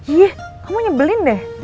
ih kamu nyebelin deh